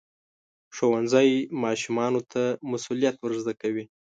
ښوونځی ماشومانو ته مسؤلیت ورزده کوي.